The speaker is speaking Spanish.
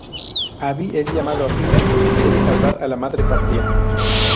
Aby es llamado a filas, debe salvar a la madre patria.